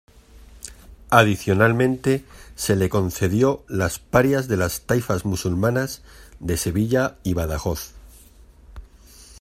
Adicionalmente se le concedió las parias de las taifas musulmanas de Sevilla y Badajoz.